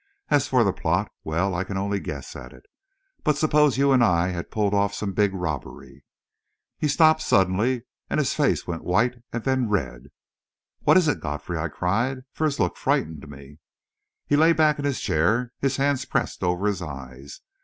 As for the plot well, I can only guess at it. But suppose you and I had pulled off some big robbery " He stopped suddenly, and his face went white and then red. "What is it, Godfrey?" I cried, for his look frightened me. He lay back in his chair, his hands pressed over his eyes.